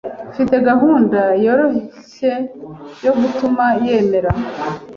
Mfite gahunda yoroshye yo gutuma yemera.